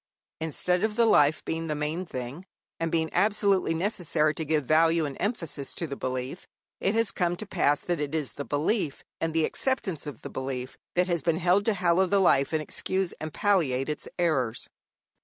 Instead of the life being the main thing, and being absolutely necessary to give value and emphasis to the belief, it has come to pass that it is the belief, and the acceptance of the belief, that has been held to hallow the life and excuse and palliate its errors.